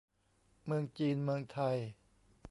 เมืองจีน เมืองไทย